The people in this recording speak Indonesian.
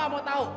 papa gak mau tau